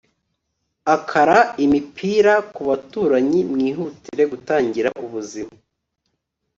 akara imipira kubaturanyi mwihutire gutangira ubuzima